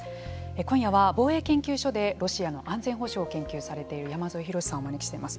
今夜は防衛研究所でロシアの安全保障を研究されている山添博史さんをお招きしています。